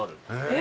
え！